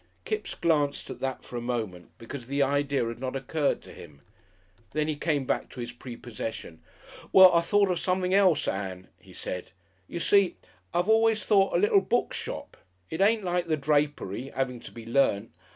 Kipps glanced at that for a moment, because the idea had not occurred to him. Then he came back to his prepossession. "Well, I thought of something else, Ann," he said. "You see, I've always thought a little book shop. It isn't like the drapery 'aving to be learnt.